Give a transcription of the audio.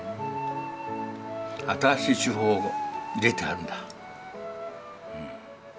新しい手法を入れてあるんだ。